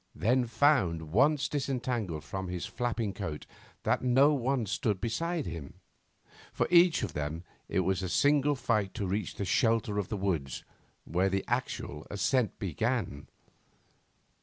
then found, once disentangled from his flapping cloak, that no one stood beside him. For each of them it was a single fight to reach the shelter of the woods, where the actual ascent began.